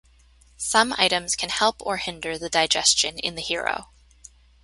Some items can help or hinder the digestion in the hero.